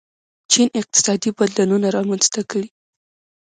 چین اقتصادي بدلونونه رامنځته کړي.